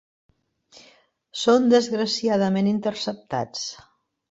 Són desgraciadament interceptats.